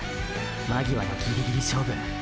間際のギリギリ勝負。